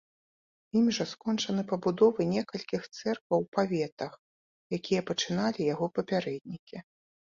Ім жа скончаны пабудовы некалькіх цэркваў у паветах, якія пачыналі яго папярэднікі.